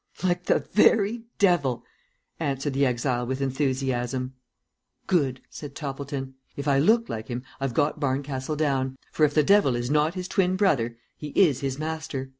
"Like the very devil!" answered the exile with enthusiasm. "Good," said Toppleton. "If I look like him I've got Barncastle down, for if the devil is not his twin brother, he is his master.